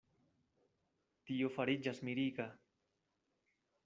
Tio fariĝas miriga.